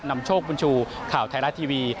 นำโชคบุญชูข่าวไทยรัฐทีวี